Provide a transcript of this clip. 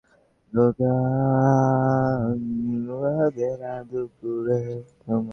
হায় ঈশ্বর, তোমার কান।